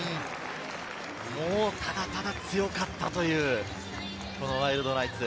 ただただ強かったというワイルドナイツ。